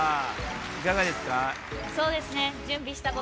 いかがですか？